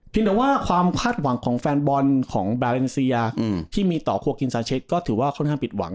แต่ว่าความคาดหวังของแฟนบอลของแบร์เลนเซียที่มีต่อครัวกินซาเช็คก็ถือว่าค่อนข้างผิดหวัง